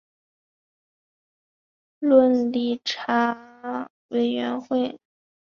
伦理审查委员会